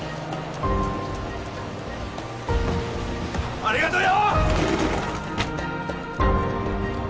ありがとよ！